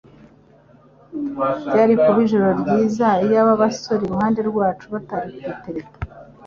Byari kuba ijoro ryiza iyaba abasore iruhande rwacu batari kudutereta.